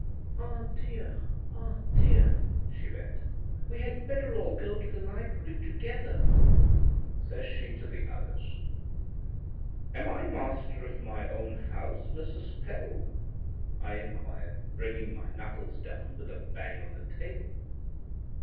"Ah dear, ah dear!" she went. "We had better all go to the library together," says she to the others. "Am I master of my own house, Mrs. Pebble?" I inquired, bringing my knuckles down with a bang on the table.